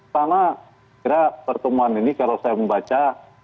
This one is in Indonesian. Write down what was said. karena kira pertemuan ini kalau saya membaca